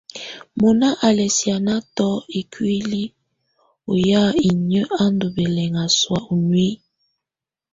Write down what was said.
Mɔna á lɛ̀ sì́ánatɔ̀ ikuili ɔ yà inyǝ á ndù bɛlɛŋa sɔ̀á u nuiyi.